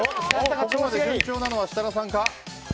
ここまで順調なのは設楽さんか。